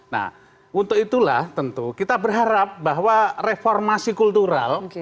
nah untuk itulah tentu kita berharap bahwa reformasi kultural